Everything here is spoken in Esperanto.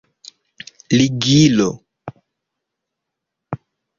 ligilo